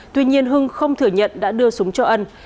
tuy nhiên hưng không thừa nhận đã đưa súng cho ân